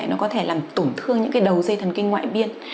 nó có thể làm tổn thương những cái đầu dây thần kinh ngoại biên